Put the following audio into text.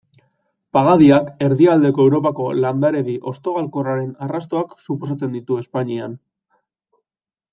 Pagadiak erdialdeko Europako landaredi hostogalkorraren arrastoak suposatzen ditu Espainian.